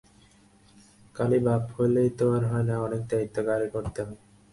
খালি বাপ হলেই তো হয় না, অনেক দায়িত্ব ঘারে করতে হয়।